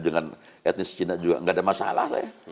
dengan etnis cina juga tidak ada masalah saja